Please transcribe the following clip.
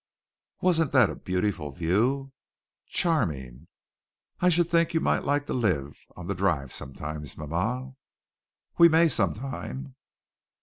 "Wasn't that a beautiful view?" "Charming." "I should think you might like to live on the Drive sometime, ma ma." "We may sometime."